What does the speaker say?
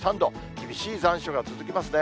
厳しい残暑が続きますね。